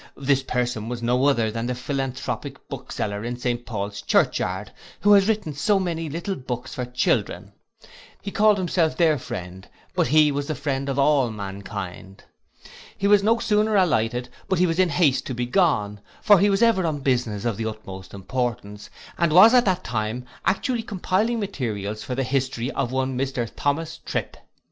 This person was no other than the philanthropic bookseller in St Paul's church yard, who has written so many little books for children: he called himself their friend; but he was the friend of all mankind. He was no sooner alighted, but he was in haste to be gone; for he was ever on business of the utmost importance, and was at that time actually compiling materials for the history of one Mr Thomas Trip.